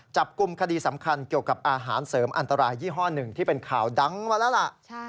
จับกลุ่มคดีสำคัญเกี่ยวกับอาหารเสริมอันตรายยี่ห้อหนึ่งที่เป็นข่าวดังมาแล้วล่ะ